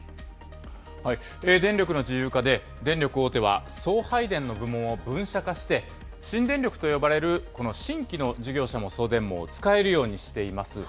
電力の自由化で、電力大手は送配電の部門を分社化して、新電力と呼ばれるこの新規の事業者も送電網を使えるようにしています。